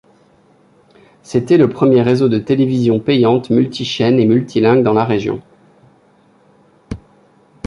C'était le premier réseau de télévision payante multi-chaîne et multilingue dans la région.